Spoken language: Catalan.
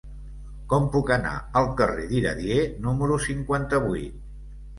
Com puc anar al carrer d'Iradier número cinquanta-vuit?